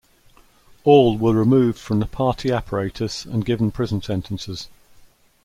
All were removed from the Party apparatus and given prison sentences.